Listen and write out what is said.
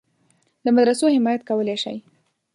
د مدرسو حمایت کولای شي.